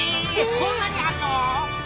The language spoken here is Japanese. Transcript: そんなにあんの！？